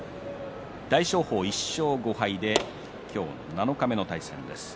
大翔鵬１勝５敗で七日目の対戦です。